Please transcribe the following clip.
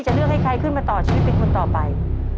เลือกให้ใครขึ้นมาต่อชีวิตเป็นคนต่อไป